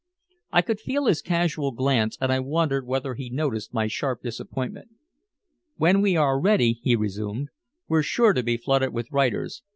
I could feel his casual glance, and I wondered whether he noticed my sharp disappointment. "When we are ready," he resumed, "we're sure to be flooded with writers.